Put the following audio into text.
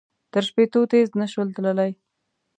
تر شپېتو تېز نه شول تللای.